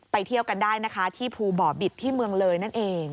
เที่ยวกันได้นะคะที่ภูบ่อบิตที่เมืองเลยนั่นเอง